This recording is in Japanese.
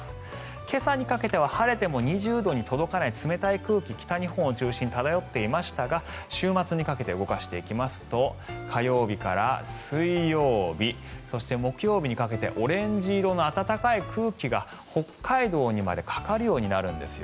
今朝にかけては、晴れても２０度に届かない冷たい空気北日本を中心に漂っていましたが週末にかけて動かすと火曜日から水曜日そして木曜日にかけてオレンジ色の暖かい空気が北海道にまでかかるようになるんです。